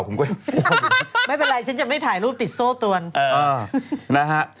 ไม่เป็นไรฉันจะไม่ถ่ายรูปติดโซ่ตัว